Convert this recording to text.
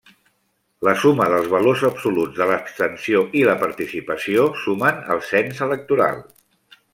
La suma dels valors absoluts de l'abstenció i la participació sumen el cens electoral.